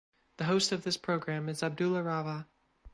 The host of this program is Abdullah Rava.